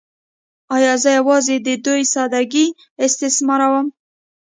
“ایا زه یوازې د دوی ساده ګۍ استثماروم؟